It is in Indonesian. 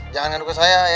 jangan haduh ke saya ya